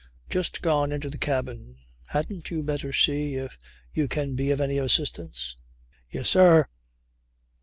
Just gone into the cabin. Hadn't you better see if you can be of any assistance?" "Yes, sir."